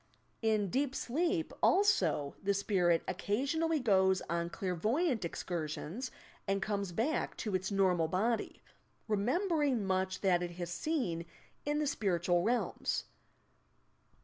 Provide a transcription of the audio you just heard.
In deep sleep, also, the spirit occasionally goes on clairvoyant excursions, and comes back to its normal body,— remembering much that it has seen in the spiritual realms.